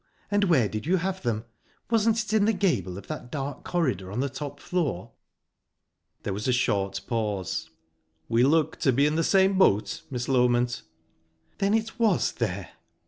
And where did you have them? Wasn't it in the gable of that dark corridor on the top floor?" There was a short pause. "We look to be in the same boat, Miss Loment." "Then it was there?"